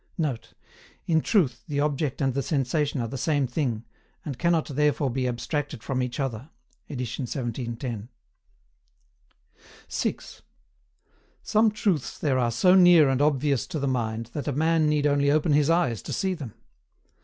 ] [Note: "In truth the object and the sensation are the same thing, and cannot therefore be abstracted from each other Edit 1710."] 6. Some truths there are so near and obvious to the mind that a man need only open his eyes to see them.